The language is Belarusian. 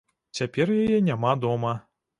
Цяпер яе няма дома.